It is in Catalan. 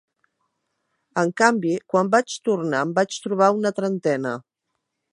En canvi, quan vaig tornar, en vaig trobar una trentena.